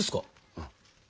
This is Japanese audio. うん。